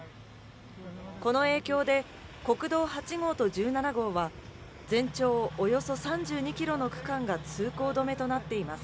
この影響で国道８号と１７号は、全長およそ３２キロの区間が通行止めとなっています。